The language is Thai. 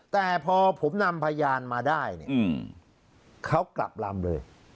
แต่พอผมนำพยานมาได้เนี่ยเขากลับลำเลย